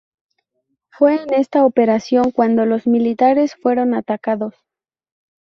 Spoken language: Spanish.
Fue en esta operación cuando los militares fueron atacados.